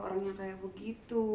kalau orangnya kayak apa apa